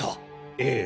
ええ。